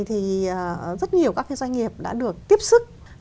thì rất nhiều các cái doanh nghiệp đã được tiếp sức